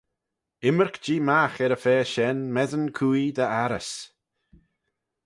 Ymmyrk-jee magh er-y-fa shen messyn cooie dy arrys.